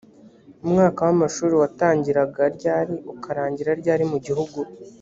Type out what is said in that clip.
umwaka w amashuri watangiraga ryari ukarangira ryari mu gihugu